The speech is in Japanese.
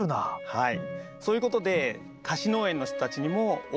はい。